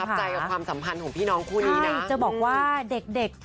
ตัวน่ารักมากจ๊ะน้องครูสมภาษณ์